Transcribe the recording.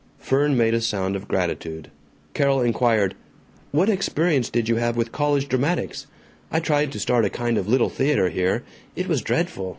Fern made a sound of gratitude. Carol inquired, "What experience did you have with college dramatics? I tried to start a kind of Little Theater here. It was dreadful.